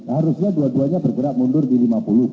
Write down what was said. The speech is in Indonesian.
harusnya dua duanya bergerak mundur di lima puluh